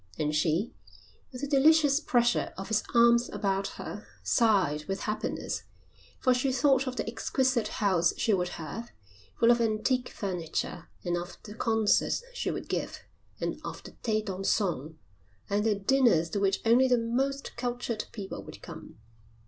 And she, with the delicious pressure of his arms about her, sighed with happiness, for she thought of the exquisite house she would have, full of antique furniture, and of the concerts she would give, and of the thés dansants, and the dinners to which only the most cultured people would come.